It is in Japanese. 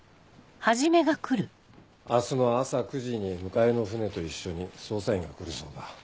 明日の朝９時に迎えの船と一緒に捜査員が来るそうだ。